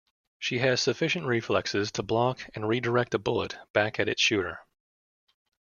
She has sufficient reflexes to block and redirect a bullet back at its shooter.